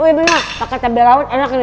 oh iya bener pake cabai rawit enak ini